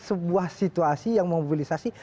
sebuah situasi yang memobilisasi